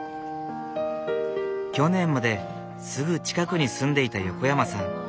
去年まですぐ近くに住んでいた横山さん。